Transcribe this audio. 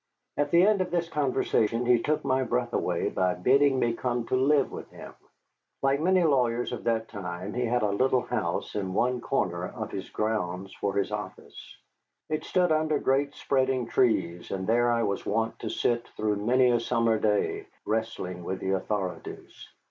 At the end of this conversation he took my breath away by bidding me come to live with him. Like many lawyers of that time, he had a little house in one corner of his grounds for his office. It stood under great spreading trees, and there I was wont to sit through many a summer day wrestling with the authorities.